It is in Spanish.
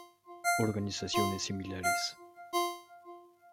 Organizaciones similares.